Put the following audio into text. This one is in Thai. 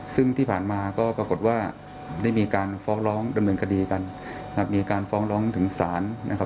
ซึ่งที่ผ่านมาก็ปรากฏว่าได้มีการฟ้องร้องดำเนินคดีกันนะครับมีการฟ้องร้องถึงศาลนะครับ